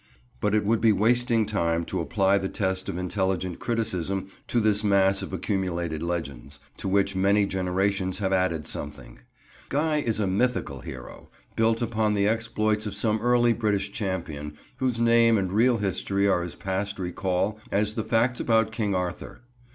But it would be wasting time to apply the test of intelligent criticism to this mass of accumulated legends, to which many generations have added something. Guy is a mythical hero, built upon the exploits of some early British champion, whose name and real history are as past recall as the facts about King Arthur.